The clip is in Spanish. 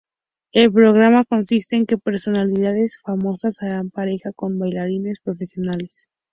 El programa consiste en que personalidades famosas harán pareja con bailarines profesionales.